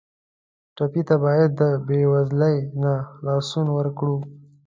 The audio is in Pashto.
ټپي ته باید د بېوزلۍ نه خلاصون ورکړو.